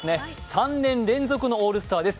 ３年連続のオールスターです。